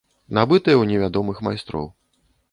Набытыя ў невядомых майстроў.